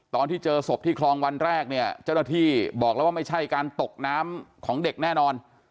ตอนที่เจอศพที่คลองวันแรกเนี่ยเจ้าหน้าที่บอกแล้วว่าไม่ใช่การตกน้ำของเด็กแน่นอน